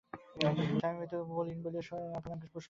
স্বামীর মৃতদেহখানি মলিন হইয়া সোনার পালঙ্কে পুষ্পশয্যায় পড়িয়া আছে।